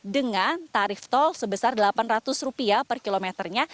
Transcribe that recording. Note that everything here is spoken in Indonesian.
dengan tarif tol sebesar rp delapan ratus per kilometernya